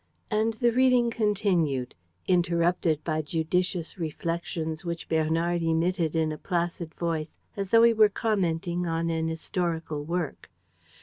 '" And the reading continued, interrupted by judicious reflections which Bernard emitted in a placid voice, as though he were commenting on an historical work.